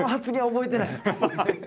覚えてない。